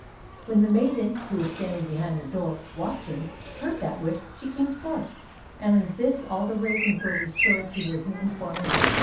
When the maiden, who was standing behind the door watching, heard that wish, she came forth, and on this all the ravens were restored to their human form again.